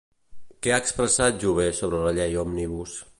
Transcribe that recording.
Què ha expressat Jover sobre la llei òmnibus?